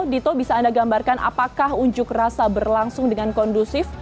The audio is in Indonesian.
dito bisa anda gambarkan apakah unjuk rasa berlangsung dengan kondusif